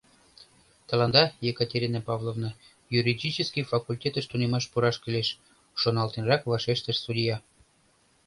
— Тыланда, Екатерина Павловна, юридический факультетыш тунемаш пураш кӱлеш, — шоналтенрак вашештыш судья.